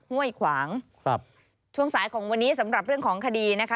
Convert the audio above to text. ห้วยขวางครับช่วงสายของวันนี้สำหรับเรื่องของคดีนะคะ